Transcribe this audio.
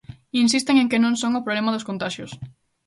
Insisten en que non son o problema dos contaxios.